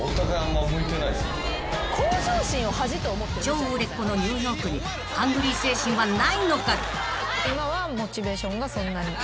［超売れっ子のニューヨークにハングリー精神はないのか！？］